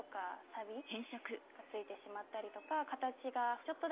が付いてしまったりとか。